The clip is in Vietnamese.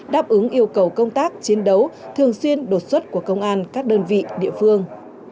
đáp ứng yêu cầu công tác chiến đấu thường xuyên đột xuất của công an các đơn vị địa phương